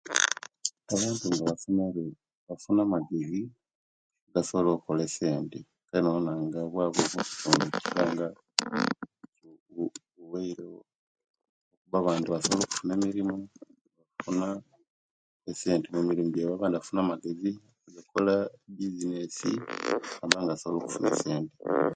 Omuntu nga asomele asuna amagezi nasobola o'kola essente nabonange obwaavu buweirewo abandi basobola okufuna emirimo nebafuna essente omumiromo gyabwe abandi bafuna amagezi nebakola ebizinesi babanga asobola okufuna essente